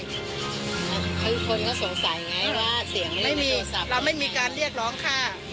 คือคนก็สงสัยไงว่าเสียงไม่มีเราไม่มีการเรียกร้องค่า